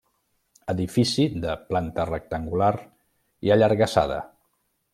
Edifici de planta rectangular i allargassada.